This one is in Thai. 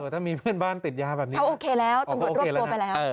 ถ้ามีเพื่อนบ้านติดยาแบบนี้เขาโอเคแล้วตำรวจรวบตัวไปแล้ว